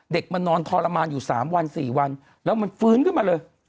เด็กมันนอนทรมานอยู่๓วัน๔วันแล้วมันฟื้นขึ้นมาเลย